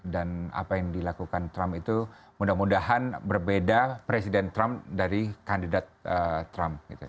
dan apa yang dilakukan trump itu mudah mudahan berbeda presiden trump dari kandidat trump gitu ya